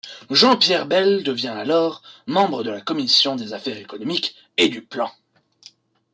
Jean-Pierre Bel devient alors membre de la commission des affaires économiques et du plan.